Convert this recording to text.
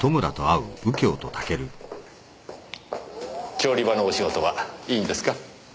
調理場のお仕事はいいんですか？